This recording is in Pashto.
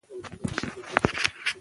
پاکوالي د بدن بوی ښه کوي.